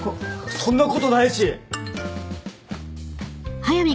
そんなことないし。